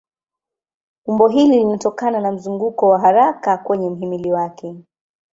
Umbo hili linatokana na mzunguko wa haraka kwenye mhimili wake.